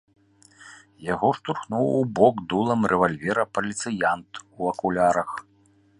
Яго штурхнуў у бок дулам рэвальвера паліцыянт у акулярах.